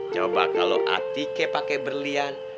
coba kalo atike pake berlian